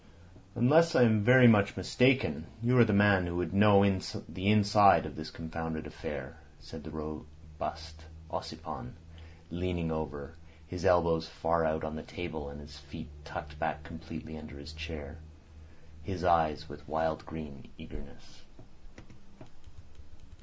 "Unless I am very much mistaken, you are the man who would know the inside of this confounded affair," said the robust Ossipon, leaning over, his elbows far out on the table and his feet tucked back completely under his chair. His eyes stared with wild eagerness.